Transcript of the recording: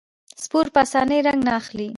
سپور په اسانۍ رنګ نه اخلي.